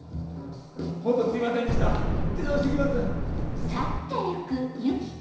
ホントすいませんでした出直して来ます！